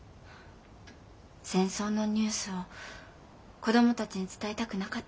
戦争のニュースを子どもたちに伝えたくなかったから。